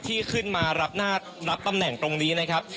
ที่ขึ้นมารับตำแหน่งตรงนี้นะครับ